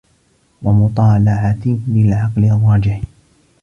وَمُطَالَعَةِ ذِي الْعَقْلِ الرَّاجِحِ